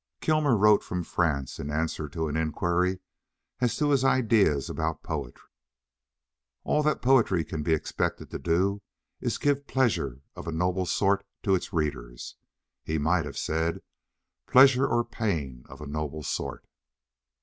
II Kilmer wrote from France, in answer to an inquiry as to his ideas about poetry, "All that poetry can be expected to do is to give pleasure of a noble sort to its readers." He might have said "pleasure or pain of a noble sort."